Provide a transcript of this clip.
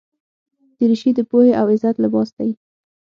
دریشي د پوهې او عزت لباس دی.